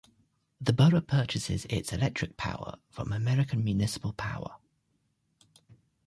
The borough purchases its electric power from American Municipal Power.